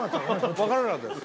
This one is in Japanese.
分からなかったです。